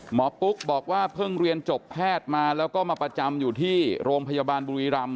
ปุ๊กบอกว่าเพิ่งเรียนจบแพทย์มาแล้วก็มาประจำอยู่ที่โรงพยาบาลบุรีรำ